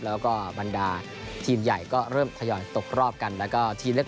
แล้วก็บรรดาทีมใหญ่ก็เริ่มทยอยตกรอบกันแล้วก็ทีมเล็ก